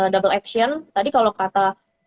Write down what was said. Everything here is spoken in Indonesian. double action tadi kalau kata